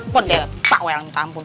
pondek pak woy ampun